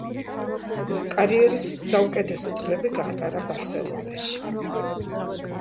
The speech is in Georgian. კარიერის საუკეთესო წლები გაატარა ბარსელონაში.